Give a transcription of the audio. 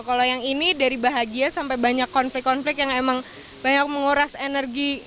kalau yang ini dari bahagia sampai banyak konflik konflik yang emang banyak menguras energi